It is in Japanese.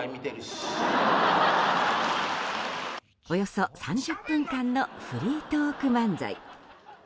およそ３０分間のフリートーク漫才。